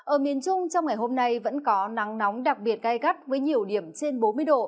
ở miền trung trong ngày hôm nay vẫn có nắng nóng đặc biệt gai gắt với nhiều điểm trên bốn mươi độ